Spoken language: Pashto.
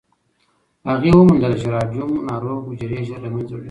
هغې وموندله چې راډیوم ناروغ حجرې ژر له منځه وړي.